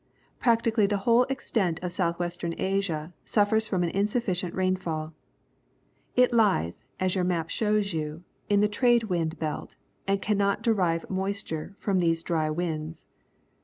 Practically the whole extent of South western Asia suffers from an insufficient rainfall. It lies, as your map shows you, in the trade wind belt, and cannot derive moist ure from these dry winds.